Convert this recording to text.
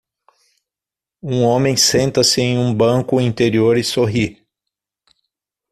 Um homem senta-se em um banco interior e sorri.